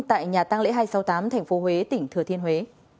tại nhà tăng lễ hai trăm sáu mươi tám tp huế tỉnh thừa thiên huế